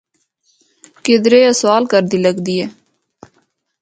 کدرے اے سوال کردی لگدی ہے۔